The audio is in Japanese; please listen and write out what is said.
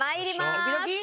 ドキドキ。